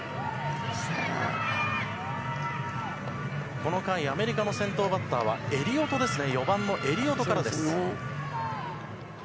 この回アメリカの先頭バッターは４番、エリオトからです。